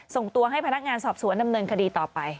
ส่งตัวให้พนักงานสอบสวนดำเนินคดีต่อไป